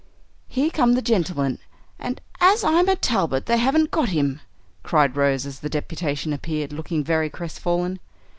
"Here come the gentlemen, and, as I'm a Talbot, they haven't got him!" cried Rose as the deputation appeared, looking very crestfallen.